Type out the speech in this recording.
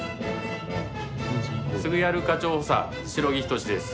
すぐやる課長補佐手代木仁です。